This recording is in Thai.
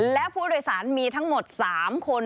และผู้โดยสารมีทั้งหมด๓คน